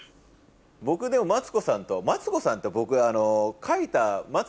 僕でもマツコさんとマツコさんと僕。